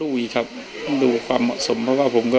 ถ้าใครอยากรู้ว่าลุงพลมีโปรแกรมทำอะไรที่ไหนยังไง